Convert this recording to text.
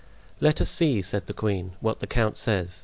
"Let us see," said the queen, "what the count says."